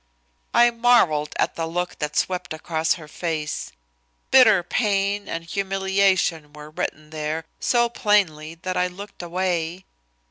I marvelled at the look that swept across her face. Bitter pain and humiliation were written there so plainly that I looked away.